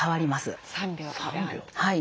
はい。